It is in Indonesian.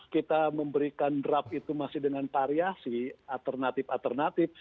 kita memberikan draft itu masih dengan variasi alternatif alternatif